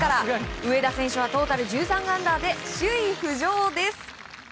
上田選手はトータル１３アンダーで首位浮上です。